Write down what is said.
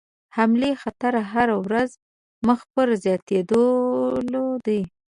حملې خطر هره ورځ مخ پر زیاتېدلو دی.